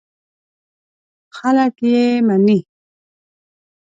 خلک یې مني.